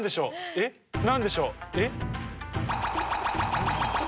えっ何でしょう？